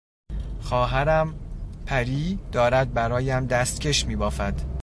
خواهرم پری دارد برایم دستکش میبافد.